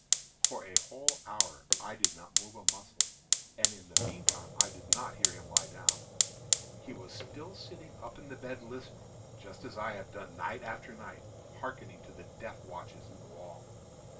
For a whole hour I did not move a muscle, and in the meantime I did not hear him lie down. He was still sitting up in the bed listening;—just as I have done, night after night, hearkening to the death watches in the wall.